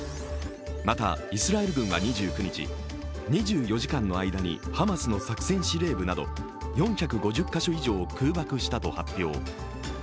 またイスラエル軍は２９日、２４時間の間にハマスの作戦司令部など４５０か所以上を空爆したと発表。